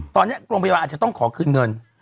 ตอนนี้โรงพยาบาลอาจจะต้องขอคืนเงิน